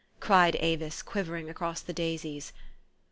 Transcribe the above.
" cried Avis, quivering across the daisies.